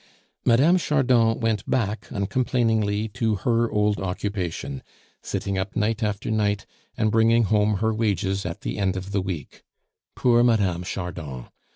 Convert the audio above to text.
Mme. Chardon went back uncomplainingly to her old occupation, sitting up night after night, and bringing home her wages at the end of the week. Poor Mme. Chardon!